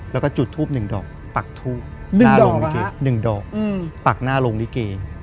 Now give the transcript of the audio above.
แล้วก็จุดทูป๑ดอกปักทูป๑ดอกปักหน้าโรงลิเก